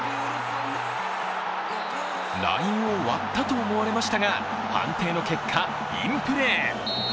ラインを割ったと思われましたが、判定の結果、インプレー。